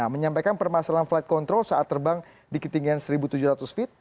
menyampaikan permasalahan flight control saat terbang di ketinggian seribu tujuh ratus feet